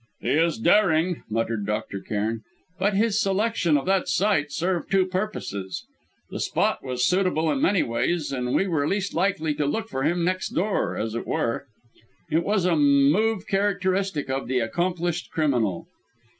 "He is daring," muttered Dr. Cairn, "but his selection of that site served two purposes. The spot was suitable in many ways; and we were least likely to look for him next door, as it were. It was a move characteristic of the accomplished criminal."